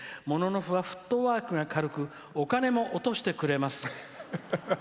モノノフはフットワークが軽くお金も落としてくれます」。